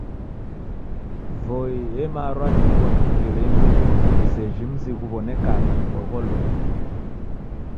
Voi emarwa ni mighondi mviringo seji mzi ghuw'onekagha kibogholonyi.